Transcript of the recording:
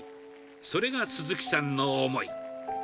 それがすずきさんの思い。